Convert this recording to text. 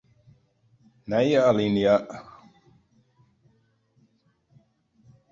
Nije alinea.